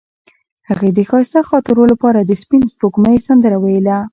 هغې د ښایسته خاطرو لپاره د سپین سپوږمۍ سندره ویله.